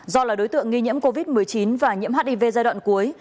do là đối tượng nghi nhiễm covid một mươi chín và nhiễm hiv giai đoạn cuối